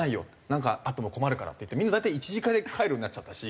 「なんかあっても困るから」って言ってみんな大体１次会で帰るようになっちゃったし。